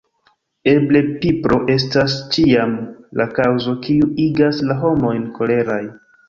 Eble pipro estas ĉiam la kaŭzo kiu igas la homojn koleraj.